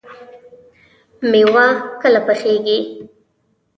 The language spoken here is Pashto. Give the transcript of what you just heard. مېوه کله پخیږي؟